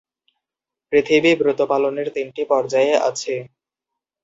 পৃথিবী ব্রত পালনের তিনটি পর্যায় আছে।